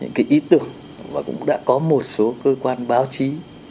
những cái ý tưởng và cũng đã có một số cơ quan báo chí